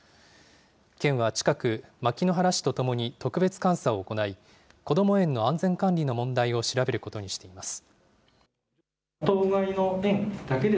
県は近く、牧之原市と共に特別監査を行い、こども園の安全管理の問題を調べることにしています。